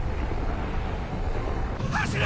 走れ！！